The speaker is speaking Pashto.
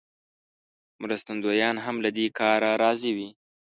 مرستندویان هم له دې کاره راضي وي.